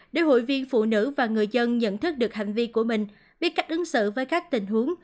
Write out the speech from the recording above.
để hội viên phụ nữ và người dân nhận thức được hành vi của mình biết cách ứng xử với các tình huống